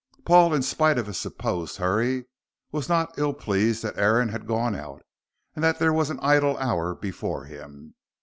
Paul, in spite of his supposed hurry, was not ill pleased that Aaron had gone out and that there was an idle hour before him.